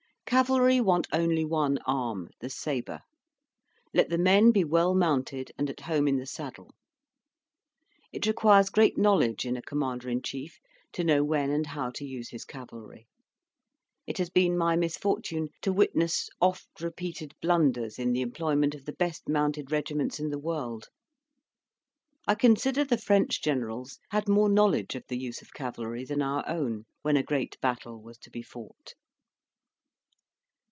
Cavalry want only one arm the sabre. Let the men be well mounted and at home in the saddle. It requires great knowledge in a Commander in chief to know when and how to use his cavalry. It has been my misfortune to witness oft repeated blunders in the employment of the best mounted regiments in the world. I consider the French generals had more knowledge of the use of cavalry than our own, when a great battle was to be fought.